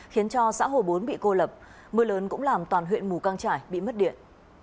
khiến cho xã hồ bốn bị cô lập mưa lớn cũng làm toàn huyện mù căng trải bị mất điện